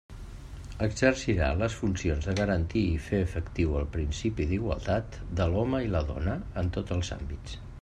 Exercirà les funcions de garantir i fer efectiu el principi d'igualtat de l'home i la dona en tots els àmbits.